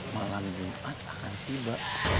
malam jumat akan tiba